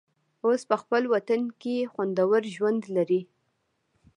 اوس په خپل وطن کې خوندور ژوند لري.